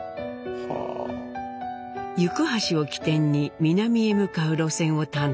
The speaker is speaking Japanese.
行橋を起点に南へ向かう路線を担当。